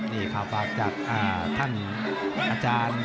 นี่ข่าวฝากจากท่านอาจารย์